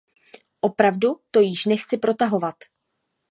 Opravdu to již nechci protahovat.